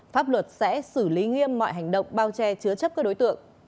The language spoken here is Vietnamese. pháp luật sẽ xử lý nghiêm mọi hành động bao che chứa chấp các đối tượng